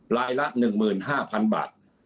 รายละ๑๕๐๐๐บาท